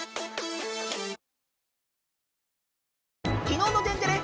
きのうの「天てれ」